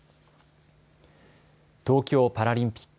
東京パラリンピック